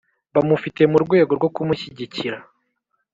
bamufite mu rwego rwo kumushyigikira